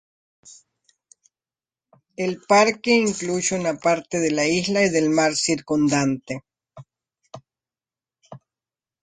El parque incluye una parte de la isla y del mar circundante.